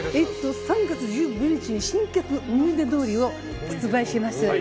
３月１５日に新曲「想い出通り」を発売します。